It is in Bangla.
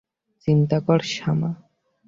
চিন্তা কর, শামা।